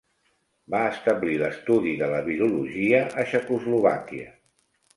Va establir l'estudi de la virologia a Txecoslovàquia.